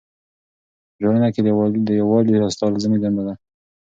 په ټولنه کې د یووالي راوستل زموږ دنده ده.